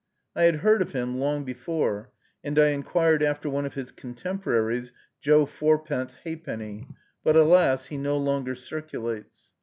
I had heard of him long before, and I inquired after one of his contemporaries, Joe Four pence ha'penny; but alas! he no longer circulates.